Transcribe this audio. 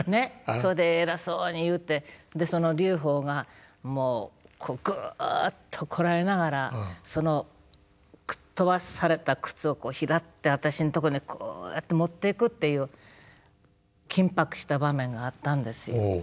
それで偉そうに言うてでその劉邦がもうグッとこらえながらその飛ばされた靴を拾って私んとこにこうやって持っていくっていう緊迫した場面があったんですよ。